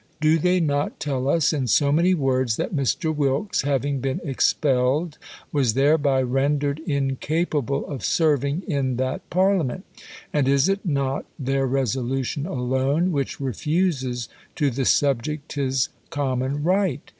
Do they not tell us, in so many words, that Mr. Wilkes, having been expelled, was thereby rendered incapable of serving in that Parliament ? and is it not their resolution alone, which refuses to the subject his common right